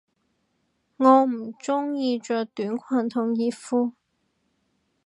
我唔鍾意着短裙同熱褲